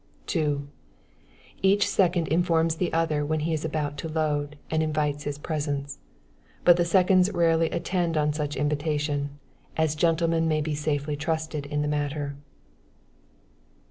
2. Each second informs the other when he is about to load, and invites his presence, but the seconds rarely attend on such invitation, as gentlemen may be safely trusted in the matter.